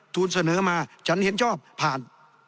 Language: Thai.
เสนอมาฉันเห็นชอบผ่าน